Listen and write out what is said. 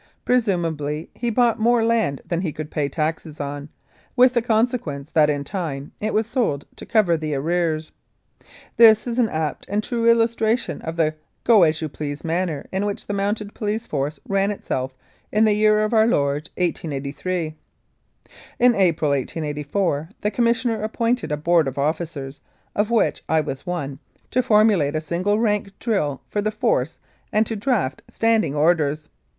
Pre sumably he bought more land than he could pay taxes on, with the consequence that in time it was sold to cover the arrears. This is an apt and true illustration of the go as you please manner in which the Mounted Police Force ran itself in the year of Our Lord 1883. In April, 1884, the Commissioner appointed a Board of Officers, of which I was one, to formulate a single rank drill for the Force and to draft Standing Orders.